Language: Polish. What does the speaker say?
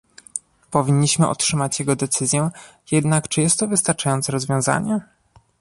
Powinniśmy otrzymać jego decyzję, jednak czy jest to wystarczające rozwiązanie?